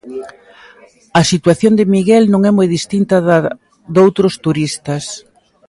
A situación de Miguel non é moi distinta da doutros turistas.